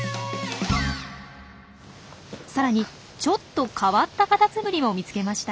さらにちょっと変わったカタツムリも見つけました。